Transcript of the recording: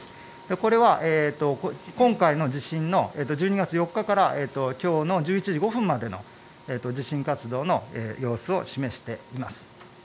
これは今回の地震の１２月４日からきょうの１１時５分までの地震活動の様子を示しています。